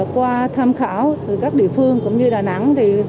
qua tham khảo từ các địa phương cũng như đà nẵng